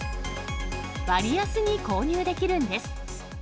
割安に購入できるんです。